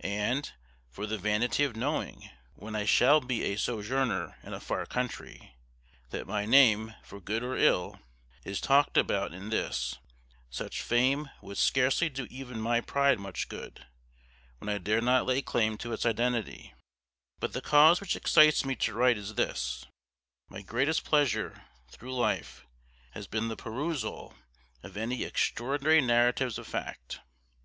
And, for the vanity of knowing, when I shall be a sojourner in a far country, that my name for good or ill is talked about in this, such fame would scarcely do even my pride much good, when I dare not lay claim to its identity, But the cause which excites me to write is this My greatest pleasure, through life, has been the perusal of any extraordinary narratives of fact.